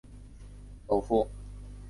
首府锡拉库萨。